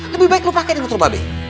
lebih baik lu pakai motor babi